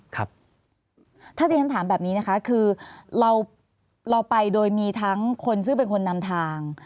ครับถ้าเต็มถามแบบนี้นะคะคือเราเราไปโดยมีทั้งคนซึ่งเป็นคนนำทาง